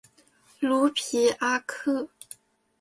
卢皮阿克。